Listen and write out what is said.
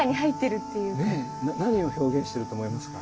何を表現してると思いますか？